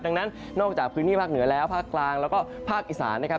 ดังนั้นนอกจากพื้นที่ภาคเหนือแล้วภาคกลางแล้วก็ภาคอีสานนะครับ